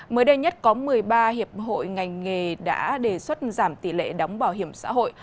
mới đây nhất có một mươi ba hiệp hội ngành nghề đã đề xuất giảm tỷ lệ đóng bảo hiểm xã hội